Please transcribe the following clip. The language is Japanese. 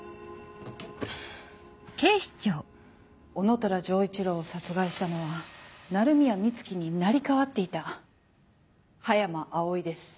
男虎丈一郎を殺害したのは鳴宮美月に成り代わっていた葉山葵です。